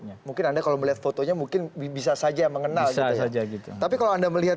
ya mungkin anda kalau melihat fotonya mungkin bisa saja mengenal gitu saja gitu tapi kalau anda melihat